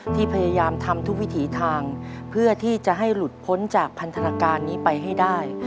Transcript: ที่พยายามทำทุกวิธีทางเพื่อให้ที่ลูดพ้นจากพันธการนี้ไปให้ได้